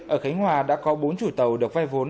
ở khánh hòa đã có bốn chủ tàu được vay vốn